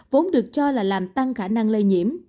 vốn được cho là làm tăng khả năng lây nhiễm